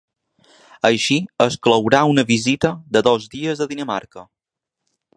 Així es clourà una visita de dos dies a Dinamarca.